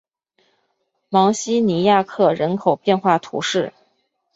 芒西尼亚克人口变化图示